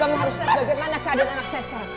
kamu harus lihat bagaimana keadaan anak saya sekarang